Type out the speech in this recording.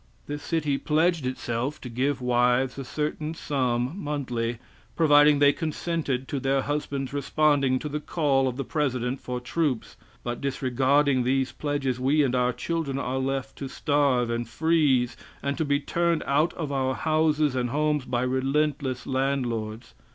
This city pledged itself to give wives a certain sum monthly, providing they consented to their husband's responding to the call of the President for troops, but, disregarding these pledges, we and our children are left to starve and freeze, and to be turned out of our houses and homes by relentless landlords.